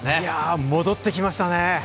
いや、戻ってきましたね。